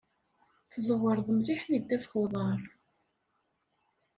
Tẓewreḍ mliḥ deg ddabex uḍar.